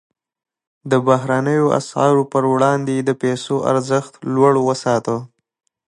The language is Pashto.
د بهرنیو اسعارو پر وړاندې یې د پیسو ارزښت لوړ وساته.